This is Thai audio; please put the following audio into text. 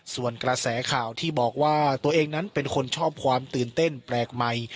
ส่วนกระแสข่าวที่บอกว่าตัวเองนั้นเป็นคนชอบความตื่นเต้นแปลกใหม่